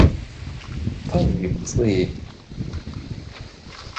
Пэжи, пцӏыи…